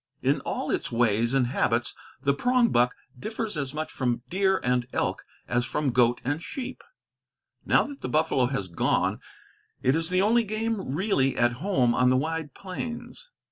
In all its ways and habits the prongbuck differs as much from deer and elk as from goat and sheep. Now that the buffalo has gone, it is the only game really at home on the wide plains.